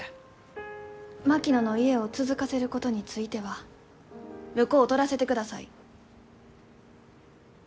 槙野の家を続かせることについては婿を取らせてください。